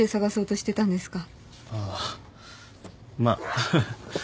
ああまあ。